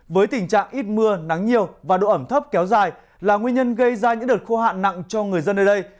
với tình trạng ít mưa nắng nhiều và độ ẩm thấp kéo dài là nguyên nhân gây ra những đợt khô hạn nặng cho người dân ở đây